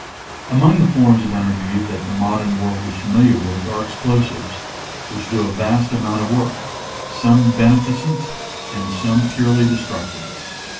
Among the forms of energy that the modern world is familiar with are Explosives, which do a vast amount of work — some beneficent, and some purely destructive.